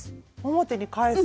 表に返す？